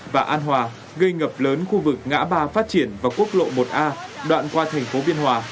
và an hòa gây ngập lớn khu vực ngã ba phát triển và quốc lộ một a đoạn qua thành phố biên hòa